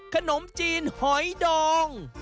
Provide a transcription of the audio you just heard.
ขนมจีนหอยดอง